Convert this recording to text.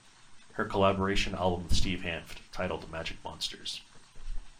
Her collaboration album with Steve Hanft, titled Magic Monsters.